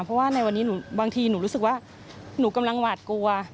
เพราะว่าในวันนี้บางทีหนูรู้สึกว่าหนูกำลังหวาดกลัว